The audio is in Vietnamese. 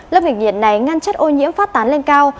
lớp vịt nhiệt này ngăn chất ô nhiễm phát tán lên cao